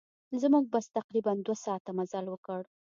زموږ بس تقریباً دوه ساعته مزل وکړ.